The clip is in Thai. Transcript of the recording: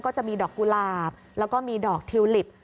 จะมีดอกกุหลาบแล้วก็มีดอกทิวลิป